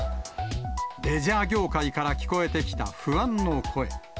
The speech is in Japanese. レジャー業界から聞こえてきた不安の声。